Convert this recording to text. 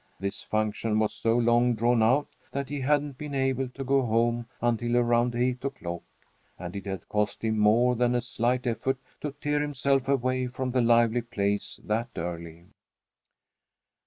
This function was so long drawn out that he hadn't been able to go home until around eight o'clock. And it had cost him more than a slight effort to tear himself away from the lively place that early.